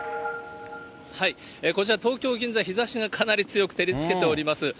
こちら東京・銀座、日ざしがかなり強く照りつけております。